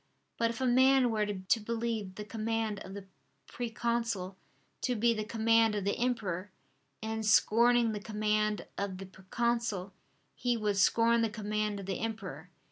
But if a man were to believe the command of the proconsul to be the command of the emperor, in scorning the command of the proconsul he would scorn the command of the emperor.